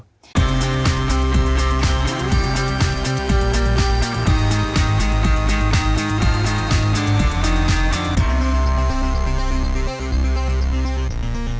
ผมรู้ว่าเรื่องราวมันเป็นยังไงบ้าง